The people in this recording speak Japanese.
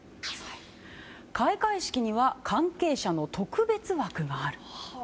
開会式には関係者の特別枠がある？